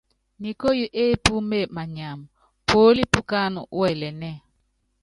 Nikóyo épúme manyama, puólí pukáánɛ́ wɛlɛnɛ́ɛ.